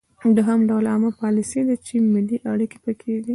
دوهم ډول عامه پالیسي ده چې ملي اړیکې پکې دي